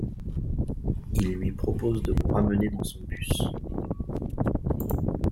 Il lui propose de vous ramener dans son bus.